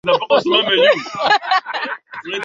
Chris ameshika simu